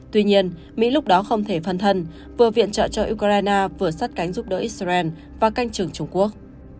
tuy nhiên mỹ lúc đó không thể phân thân vừa viện trợ cho ukraine vừa sát cánh giúp đỡ israel và canh trưởng trung quốc